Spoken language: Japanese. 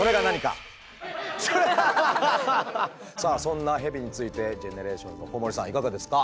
さあそんなヘビについてＧＥＮＥＲＡＴＩＯＮＳの小森さんいかがですか？